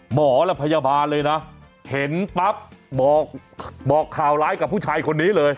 หมอและพยาบาลเลยนะเห็นปั๊บบอกข่าวร้ายกับผู้ชายคนนี้เลย